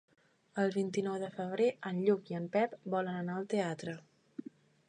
El vint-i-nou de febrer en Lluc i en Pep volen anar al teatre.